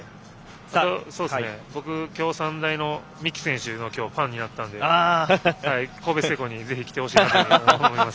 僕、今日、京産大の三木選手のファンになったのでぜひ神戸製鋼に来てほしいなと思います。